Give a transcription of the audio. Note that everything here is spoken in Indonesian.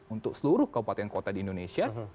untuk seluruh kabupaten kota di indonesia